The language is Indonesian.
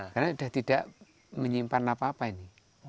karena sudah tidak menyimpan apa apa ini